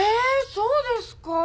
そうですか？